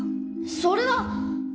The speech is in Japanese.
それは！